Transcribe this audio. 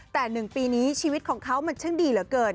แต่๑ปีนี้ชีวิตของเขามันช่างดีเหลือเกิน